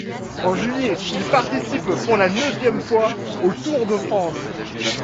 En juillet, il participe pour la neuvième fois au Tour de France.